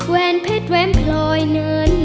แวนเพชรแว้นพลอยนั้น